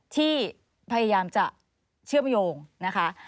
ที่พยายามจะเชื่อมโยงนะคะ